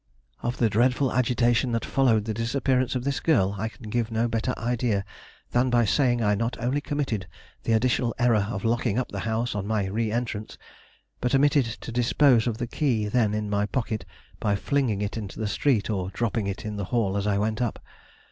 Of the dreadful agitation that followed the disappearance of this girl I can give no better idea than by saying I not only committed the additional error of locking up the house on my re entrance, but omitted to dispose of the key then in my pocket by flinging it into the street or dropping it in the hall as I went up.